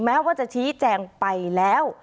แม้ว่าจะชี้แจงไปแล้ว